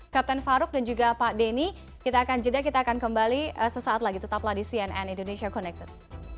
kapten farouk dan juga pak denny kita akan jeda kita akan kembali sesaat lagi tetaplah di cnn indonesia connected